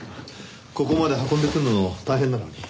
ここまで運んでくるのも大変なのに。